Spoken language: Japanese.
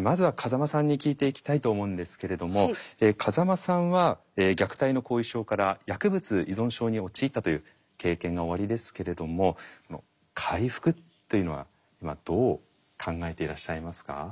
まずは風間さんに聞いていきたいと思うんですけれども風間さんは虐待の後遺症から薬物依存症に陥ったという経験がおありですけれども回復というのはどう考えていらっしゃいますか？